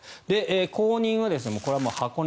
後任は、これは箱根